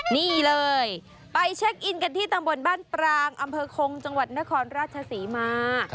นี่เลยไปเช็คอินกันที่ตำบลบ้านปรางอำเภอคงจังหวัดนครราชศรีมา